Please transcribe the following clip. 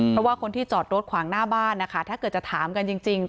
เพราะว่าคนที่จอดรถขวางหน้าบ้านนะคะถ้าเกิดจะถามกันจริง